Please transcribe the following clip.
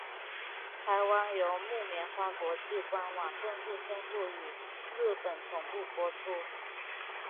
台湾由木棉花国际官网正式宣布与日本同步播出。